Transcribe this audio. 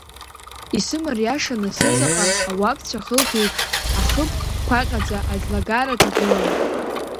Исымариашаны сыҵаҟа, ауапцәа хылԥеиԥш, ахыб қәаҟьаӡа аӡлагара ҭагылан.